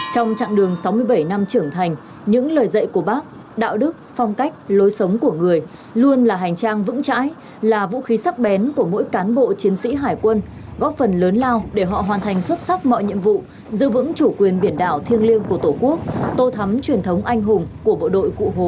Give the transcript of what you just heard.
trong chặng đường sáu mươi bảy năm trưởng thành những lời dạy của bác đạo đức phong cách lối sống của người luôn là hành trang vững chãi là vũ khí sắc bén của mỗi cán bộ chiến sĩ hải quân góp phần lớn lao để họ hoàn thành xuất sắc mọi nhiệm vụ giữ vững chủ quyền biển đảo thiêng liêng của tổ quốc tô thắm truyền thống anh hùng của bộ đội cụ hồ